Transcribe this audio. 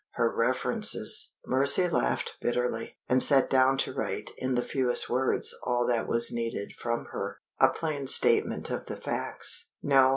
Her references! Mercy laughed bitterly, and sat down to write in the fewest words all that was needed from her a plain statement of the facts. No!